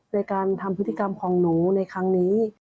ในการทำพฤติกรรมของหนูในครั้งนี้